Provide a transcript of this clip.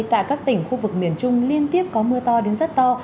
tại các tỉnh khu vực miền trung liên tiếp có mưa to đến rất to